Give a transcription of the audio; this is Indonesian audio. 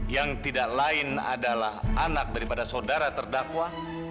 yang tidak lain adalah anak daripada saudara terdakwa